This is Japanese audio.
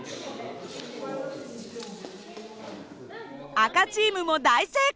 赤チームも大成功。